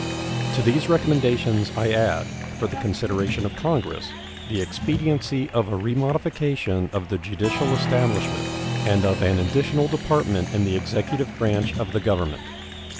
To these recommendations I add, for the consideration of Congress, the expediency of a remodification of the judiciary establishment, and of an additional department in the executive branch of the Government.